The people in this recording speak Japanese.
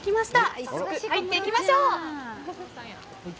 早速、入っていきましょう！